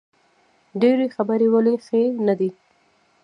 ډیرې خبرې ولې ښې نه دي؟